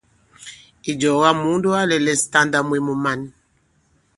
Ìjɔ̀ɔ̀wa, Mùundo a lɛ̄lɛ̄s ǹtanda mwe mu man.